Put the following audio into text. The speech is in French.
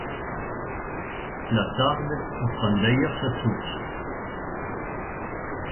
La Tardes y prend d'ailleurs sa source.